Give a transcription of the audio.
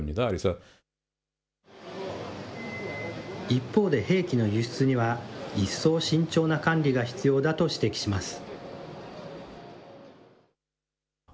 一方で、兵器の輸出には一層慎重な管理が必要だと指摘します。